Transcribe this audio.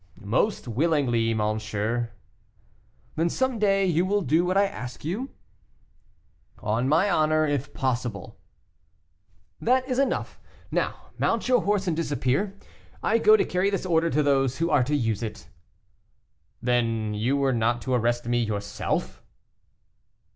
"Most willingly, monsieur." "Then some day you will do what I ask you?" "On my honor, if possible." "That is enough. Now mount your horse and disappear; I go to carry this order to those who are to use it." "Then you were not to arrest me yourself?"